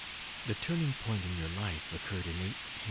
The turning point in your life occurred in 1840 7 8.